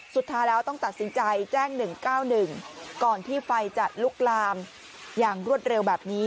สุดท้ายแล้วต้องตัดสินใจแจ้ง๑๙๑ก่อนที่ไฟจะลุกลามอย่างรวดเร็วแบบนี้